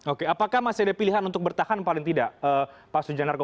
oke apakah masih ada pilihan untuk bertahan paling tidak pak sujanarko